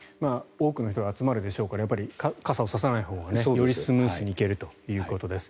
多くの人が集まるでしょうから傘を差さないほうがよりスムーズに行けるということです。